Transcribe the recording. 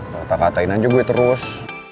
lo tak katain aja gue terus